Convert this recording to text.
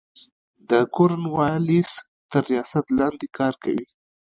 د کورن والیس تر ریاست لاندي کار کوي.